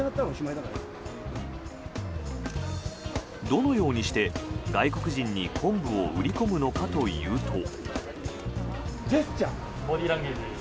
どのようにして外国人に昆布を売り込むのかというと。